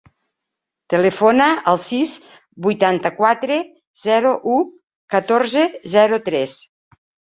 Telefona al sis, vuitanta-quatre, zero, u, catorze, zero, tres.